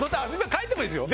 変えてもいいんですよ。